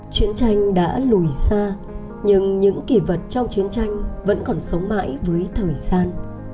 chiến tranh đã lùi xa nhưng những kỷ vật trong chiến tranh vẫn còn sống mãi với thời gian